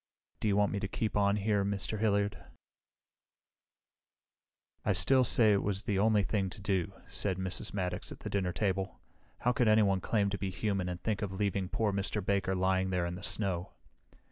"Do you want me to keep on here, Mr. Hilliard?" "I still say it was the only thing to do," said Mrs. Maddox at the dinner table. "How could anyone claim to be human and think of leaving poor Mr. Baker lying there in the snow?"